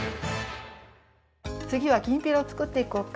つぎはきんぴらを作っていこうか。